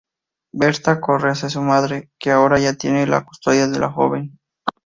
Bertha corre hacia su madre, que ahora ya tiene la custodia de la joven.